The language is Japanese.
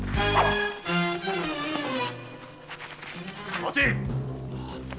待て！